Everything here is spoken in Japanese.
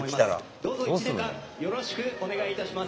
どうぞ１年間よろしくお願いいたします。